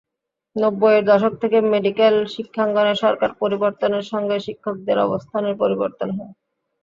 নব্বইয়ের দশক থেকে মেডিকেল শিক্ষাঙ্গনে সরকার পরিবর্তনের সঙ্গে শিক্ষকদের অবস্থানের পরিবর্তন হয়।